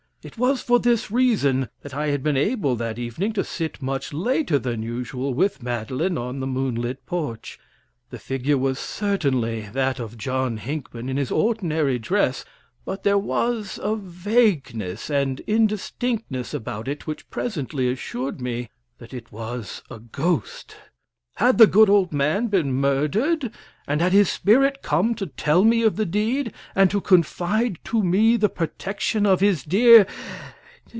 It was for this reason that I had been able that evening to sit much later than usual with Madeline on the moonlit porch. The figure was certainly that of John Hinckman in his ordinary dress, but there was a vagueness and indistinctness about it which presently assured me that it was a ghost. Had the good old man been murdered? and had his spirit come to tell me of the deed, and to confide to me the protection of his dear